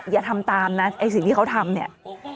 อย่าทำตามนะไอ้สิ่งที่เขาทำเนี่ย